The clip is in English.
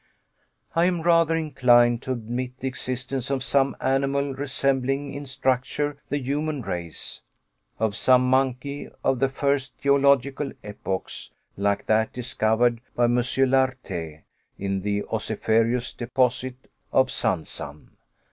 I am rather inclined to admit the existence of some animal resembling in structure the human race of some monkey of the first geological epochs, like that discovered by M. Lartet in the ossiferous deposit of Sansan.